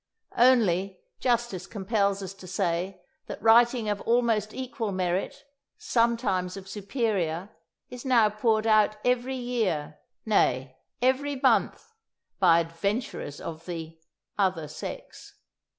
Only, justice compels us to say that writing of almost equal merit, sometimes of superior, is now poured out every year, nay, every month, by adventurers of the "other sex."